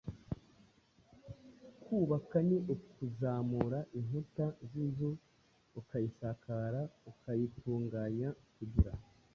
Kubaka ni ukuzamura inkuta z’inzu ukayisakara, ukayitunganya kugira